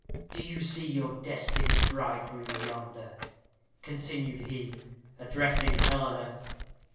"Do you see your destined bridegroom yonder?" continued he, addressing Eleanor.